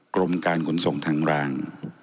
กรมการขนส่งทางราง